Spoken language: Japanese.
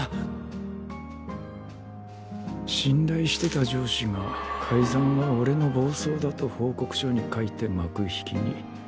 信頼してた上司が改ざんは俺の暴走だと報告書に書いて幕引きに。